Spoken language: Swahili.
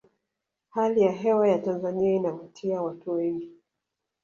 hali ya hewa ya tanzania inavutia watu wengi